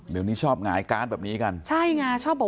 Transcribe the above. เดี๋ยวนี้ชอบหงายการแบบนี้กัน